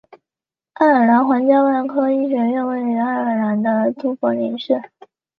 爱尔兰皇家外科医学院位于爱尔兰的都柏林市。